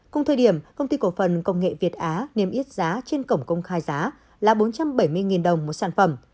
cùng thời điểm công ty cổ phần công nghệ việt á niêm yết giá trên cổng công khai giá là bốn trăm bảy mươi đồng một sản phẩm